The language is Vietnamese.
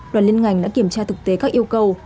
đoàn liên ngành đã kiểm tra thực tế các yêu cầu